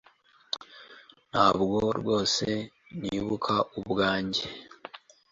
Ntabwo rwose nibuka ubwanjye